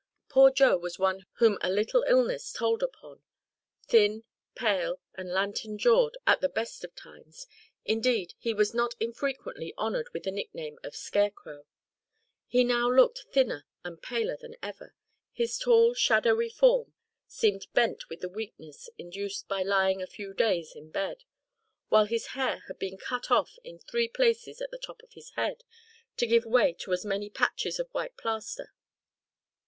Poor Joe was one whom a little illness told upon. Thin, pale, and lantern jawed at the best of times indeed he was not infrequently honoured with the nickname of "scare crow" he now looked thinner and paler than ever. His tall, shadowy form seemed bent with the weakness induced by lying a few days in bed; while his hair had been cut off in three places at the top of his head, to give way to as many patches of white plaster.